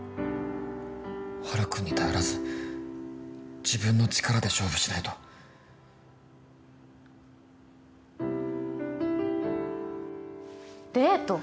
ハルくんに頼らず自分の力で勝負しないとデート？